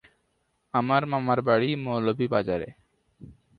আমার মামার বাড়ি মৌলভীবাজারে।